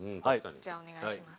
じゃあお願いします。